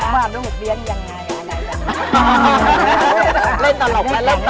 ว่าน้องหุบเลี้ยงยังดังอะไรล่ะ